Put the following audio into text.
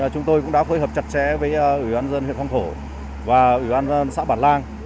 chúng tôi cũng đã phối hợp chặt chẽ với ủy ban dân huyện phong thổ và ủy ban xã bản lang